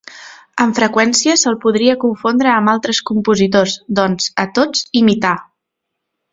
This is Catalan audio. Amb freqüència se'l podria confondre amb altres compositors, doncs, a tots imità.